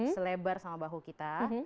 selebar sama bahu kita